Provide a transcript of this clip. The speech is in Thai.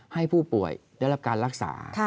ให้ผู้ป่วยได้รับการรักษา